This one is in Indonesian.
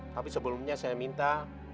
tapi sebelumnya saya minta